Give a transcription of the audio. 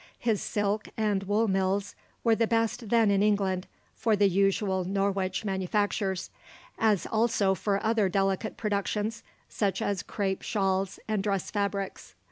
His silk and wool mills were the best then in England for the usual Norwich manufactures, as also for other delicate productions, such as crape shawls and dress fabrics.